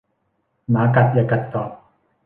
หมากัดอย่ากัดตอบ